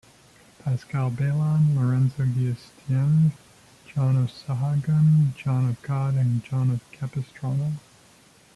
Pascal Baylon, Lorenzo Giustiniani, John of Sahagun, John of God and John of Capistrano.